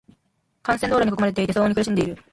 幹線道路に囲まれていて、騒音に苦しんでいる。